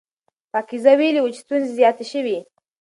پاکیزه ویلي وو چې ستونزې زیاتې شوې.